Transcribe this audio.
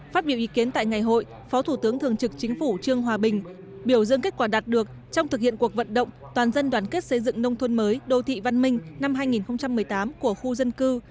phát biểu ý kiến tại ngày hội phó thủ tướng thường trực chính phủ trương hòa bình biểu dương kết quả đạt được trong thực hiện cuộc vận động toàn dân đoàn kết xây dựng nông thôn mới đô thị văn minh năm hai nghìn một mươi tám của khu dân cư